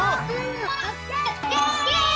イエイ！